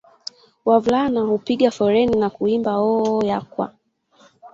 Wavulana hupiga foleni na kuimba Oooooh yakwa